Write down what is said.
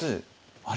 あれ？